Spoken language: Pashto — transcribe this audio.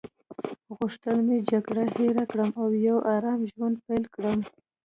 غوښتل مې جګړه هیره کړم او یو آرامه ژوند پیل کړم.